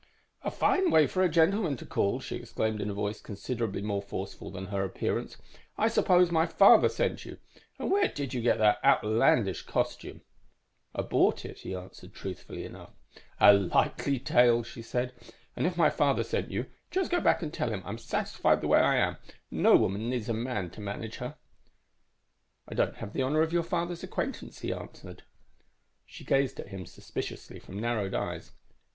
"_ _"A fine way for a gentleman to call!" she exclaimed in a voice considerably more forceful than her appearance. "I suppose my father sent you. And where did you get that outlandish costume?"_ "I bought it," he answered, truthfully enough. _"A likely tale," she said. "And if my father sent you, just go back and tell him I'm satisfied the way I am. No woman needs a man to manage her."_ "I don't have the honor of your father's acquaintance," he answered. _She gazed at him suspiciously from narrowed eyes.